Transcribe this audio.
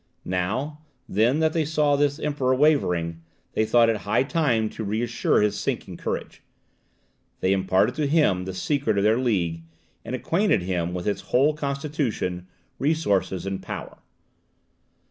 Now, then, that they saw the Emperor wavering, they thought it high time to reassure his sinking courage. They imparted to him the secret of their League, and acquainted him with its whole constitution, resources and power.